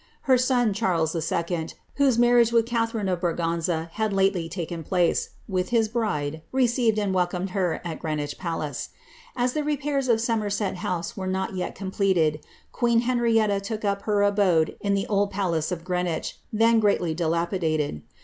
Her son, Charles II., whose marriage with Catharine of Braganza had Ifttc^T taken place, with his bride, received and welcomed her at Greenwiek palace. As the repairs of Somerset House were not yet completed^ queen Henrietta took up her abode in the old palace of Greenwich,' then greatly dilapidated.